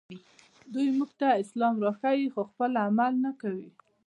دوی موږ ته اسلام راښيي خو پخپله عمل نه کوي